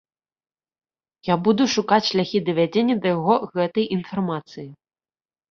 Я буду шукаць шляхі давядзення да яго гэтай інфармацыі.